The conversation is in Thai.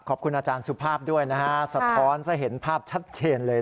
ขอบคุณอาจารย์สุภาพด้วยนะฮะสะท้อนซะเห็นภาพชัดเจนเลย